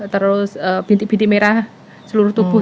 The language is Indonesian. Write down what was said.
terus bintik binti merah seluruh tubuh